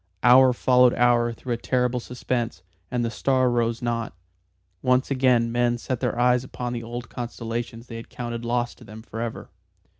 Hour followed hour through a terrible suspense, and the star rose not. Once again men set their eyes upon the old constellations they had counted lost to them forever.